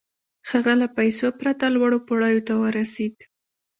هغه له پيسو پرته لوړو پوړيو ته ورسېد.